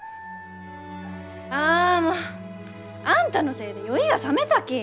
あもうあんたのせいで酔いがさめたき！